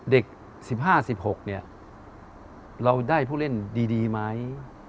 เด็ก๑๕๑๖เนี่ยเราได้ผู้เล่นดีไหม